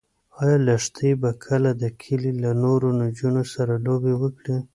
ایا لښتې به کله د کلي له نورو نجونو سره لوبې وکړي؟